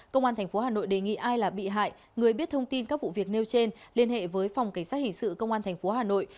công an thành phố hà nội đề nghị ai là bị hại người biết thông tin các vụ việc nêu trên liên hệ với phòng cảnh sát hình sự công an thành phố hà nội